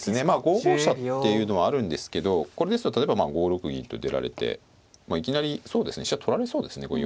まあ５五飛車っていうのはあるんですけどこれですと例えばまあ５六銀と出られていきなりそうですね飛車取られそうですね。